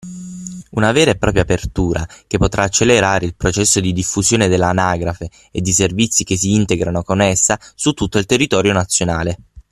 Una vera e propria apertura, che potrà accelerare il processo di diffusione dell’anagrafe e di servizi che si integrano con essa su tutto il territorio nazionale.